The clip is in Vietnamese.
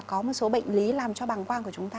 có một số bệnh lý làm cho bàng quang của chúng ta